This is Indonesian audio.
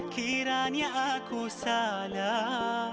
kiranya aku salah